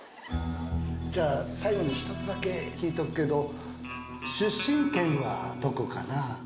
じゃあ最後に１つだけ聞いとくけど出身県はどこかな？